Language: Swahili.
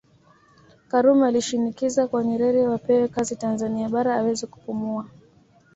Karume alishinikiza kwa Nyerere wapewe kazi Tanzania Bara aweze kupumua